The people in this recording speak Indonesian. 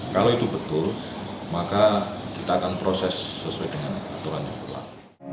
kalau itu betul maka kita akan proses sesuai dengan aturan yang berlaku